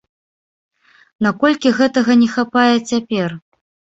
Наколькі гэтага не хапае цяпер?